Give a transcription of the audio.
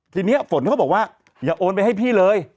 ทีนี้ฝนเขาบอกว่าอย่าโอนไปให้พี่เลย